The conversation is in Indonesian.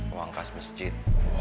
uang kas mesjid